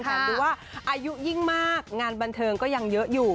แต่ดูว่าอายุยิ่งมากงานบันเทิงก็ยังเยอะอยู่